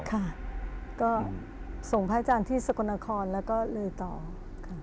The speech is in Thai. ค่ะก็ส่งพระอาจารย์ที่สกลนครแล้วก็เลยต่อค่ะ